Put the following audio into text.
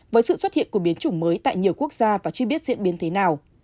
với sự xuất hiện của biến chủng mới tại nhiều quốc gia và chưa biết diễn biến thế nào